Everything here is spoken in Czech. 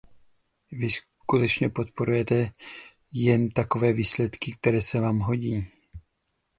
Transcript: Vy skutečně podporujete jen takové výsledky, které se vám hodí.